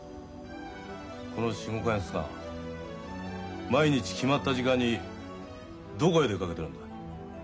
この４５か月間毎日決まった時間にどこへ出かけてるんだ？